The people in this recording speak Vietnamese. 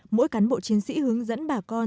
mỗi cán bộ chiến sĩ hướng dẫn bà con